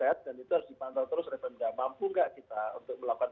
bapak tidak mampu tidak kita untuk melakukan